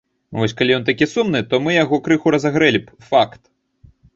Вось калі ён такі сумны, то мы яго крыху разагрэлі б, факт!